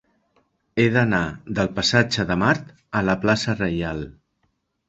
He d'anar del passatge de Mart a la plaça Reial.